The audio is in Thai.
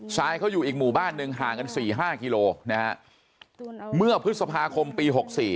ซ้ายเขาอยู่อีกหมู่บ้านหนึ่งห่างกัน๔๕กิโลนะฮะเมื่อพฤษภาคมปี๖๔